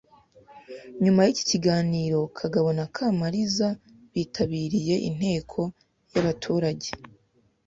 Nyuma y’iki kiganiro Kagabo na Kamariza bitabiriye inteko y’abaturage